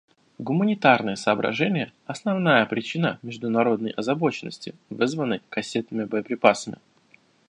Гуманитарные соображения — основная причина международной озабоченности, вызванной кассетными боеприпасами.